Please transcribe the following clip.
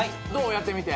やってみて。